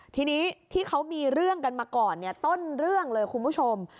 ทีนี้ที่เขามีเรื่องกันมาก่อนต้นเรื่องเลยคุณผู้ชม